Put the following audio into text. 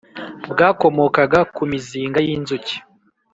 bwakomokaga ku mizinga y’inzuki